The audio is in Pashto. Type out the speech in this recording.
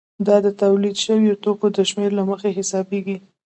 دا د تولید شویو توکو د شمېر له مخې حسابېږي